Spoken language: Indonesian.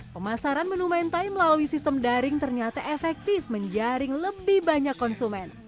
pemasaran menu mentai melalui sistem daring ternyata efektif menjaring lebih banyak konsumen